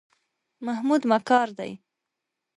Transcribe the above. محمود مکار دی.